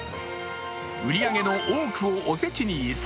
売り上げの多くをおせちに依存。